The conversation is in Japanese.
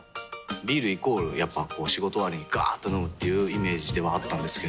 ビールイコールやっぱこう仕事終わりにガーっと飲むっていうイメージではあったんですけど。